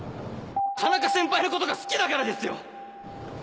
田中先輩のことが好きだからですよ！